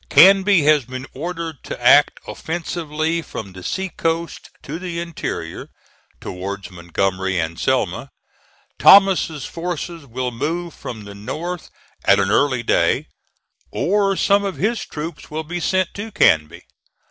Canby has been ordered to act offensively from the sea coast to the interior, towards Montgomery and Selma. Thomas's forces will move from the north at an early day, or some of his troops will be sent to Canby.